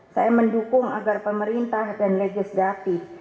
saya mendukung agar pemerintah dan legislatif